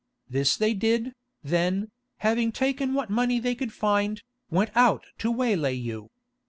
This they did, then, having taken what money they could find, went out to waylay you.